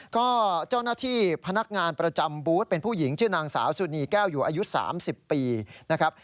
ก็เจ้าหน้าที่พนักงานประจำบูธเป็นผู้หญิงชื่อนางสาวสุนีแก้วอยู่อายุ๓๐ปีนะครับ